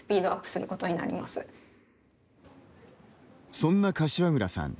そんな柏倉さん